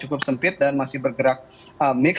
cukup sempit dan masih bergerak mix